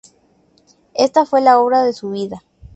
Esta fue la obra de su vida.